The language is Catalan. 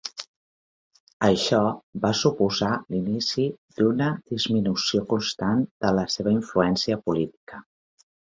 Això va suposar l'inici d'una disminució constant de la seva influència política.